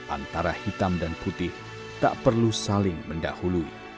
antara hitam dan putih tak perlu saling mendahului